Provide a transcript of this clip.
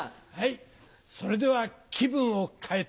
それでは気分を変えて。